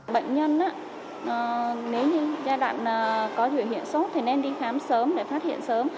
bệnh nhân nếu như giai đoạn có biểu hiện sốt thì nên đi khám sớm để phát hiện sớm